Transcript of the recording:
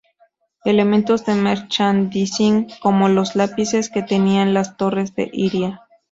Elementos de merchandising como los lápices que tenían las torres de Iria.